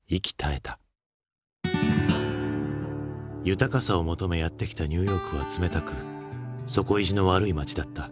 豊かさを求めやって来たニューヨークは冷たく底意地の悪い街だった。